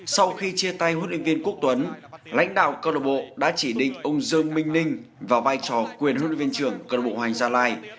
sau khi chia tay hội luyện viên quốc tuấn lãnh đạo cơ đội bộ đã chỉ định ông dương minh ninh vào vai trò quyền hội luyện viên trưởng cơ đội bộ hoành gia lai